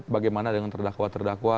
bagaimana dengan terdakwa terdakwa